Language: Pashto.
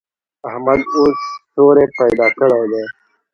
احمد اوس سوری پیدا کړی دی.